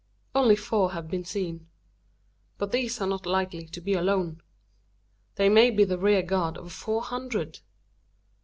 Only four have been seen. But these are not likely to be alone. They may be the rear guard of four hundred?